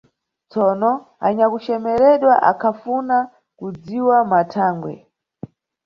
Tsono, anyakucemeredwa akhafuna kudziwa mathangwe.